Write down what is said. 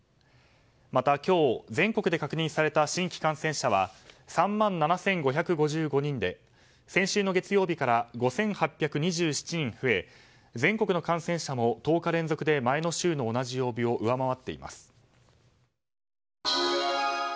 また、今日全国で確認された新規感染者は３万７５５５人で先週の月曜日から５８２７人増え全国の感染者も１０日連続で前の週の同じ曜日を上回っています。